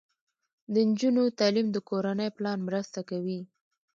د نجونو تعلیم د کورنۍ پلان مرسته کوي.